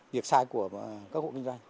việc sai của các hộ kinh doanh